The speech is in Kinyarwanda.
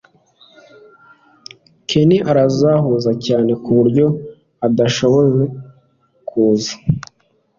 Ken arahuze cyane kuburyo adashobora kuza